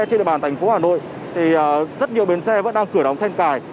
trên địa bàn thành phố hà nội thì rất nhiều bến xe vẫn đang cửa đóng thanh cài